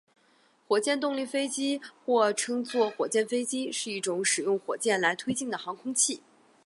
火箭动力飞机或称作火箭飞机是一种使用火箭来推进的航空器。